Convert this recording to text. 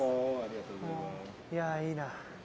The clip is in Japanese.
いやいいな。